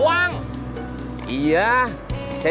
iya saya juga kasian atu ceng